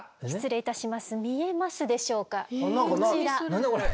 何だこれ？